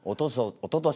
おととし。